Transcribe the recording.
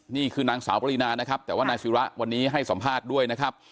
นี่คือนางสาวปริณาแต่ว่านายสีร้าวันนี้ให้สอบภาษณ์ด้วย